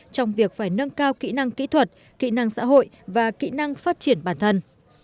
trong việc phải nâng cao kỹ năng kỹ thuật kỹ năng xã hội và kỹ năng phát triển bản thân